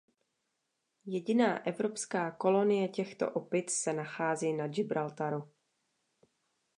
Jediná evropská kolonie těchto opic se nachází na Gibraltaru.